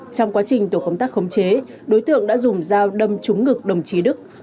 trong quá trình tổ công tác khống chế đối tượng đã dùng dao đâm trúng ngực đồng chí đức